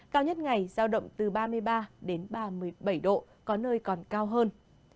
cao nhất ngày giao động từ ba mươi ba đến ba mươi bảy độ có nơi còn cao hơn